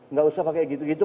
nggak usah pakai gitu gitu